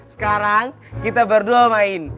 sekarang kita berdua main